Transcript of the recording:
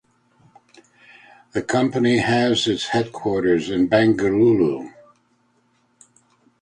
The company has its headquarters in Bengaluru.